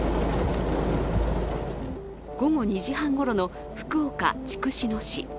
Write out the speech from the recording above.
午後２時半ごろの福岡・筑紫野市。